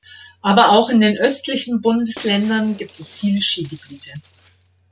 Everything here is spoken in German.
Aber auch in den östlichen Bundesländern gibt es viele Skigebiete.